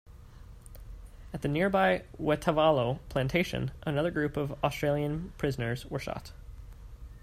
At the nearby Waitavalo Plantation, another group of Australian prisoners were shot.